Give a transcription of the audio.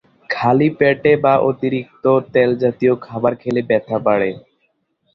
খালি পেটে বা অতিরিক্ত তেল জাতীয় খাবার খেলে ব্যাথা বাড়ে।